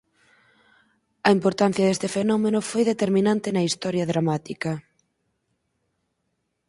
A importancia deste fenómeno foi determinante na historia dramática.